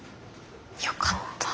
よかった。